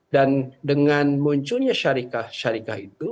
dan dengan munculnya syarikat syarikat itu